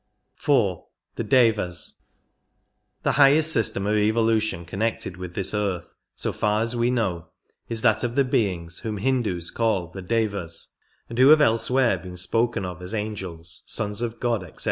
4. The Dfuas. The highest system of evolution connected with this earth, so far as we know, is that of the beings whom Hindus call the Devas, and who have elsewhere been spoken of as angels, sons of God, etc.